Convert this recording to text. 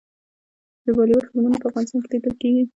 د بالیووډ فلمونه په افغانستان کې لیدل کیږي.